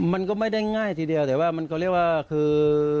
มันก็ไม่ได้ง่ายทีเดียวแต่ว่ามันก็เรียกว่าคือ